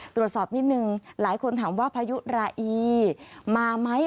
ตรวจสอบนิดนึงหลายคนถามว่าพายุราอีมาไหม